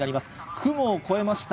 雲を超えました。